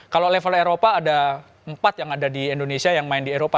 kalau level eropa ada empat yang ada di indonesia yang main di eropa